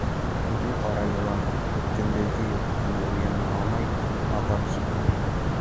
Бөгөн ҡара йылан көндөҙгө йоҡоһонан уяна алмай аҙап сикте.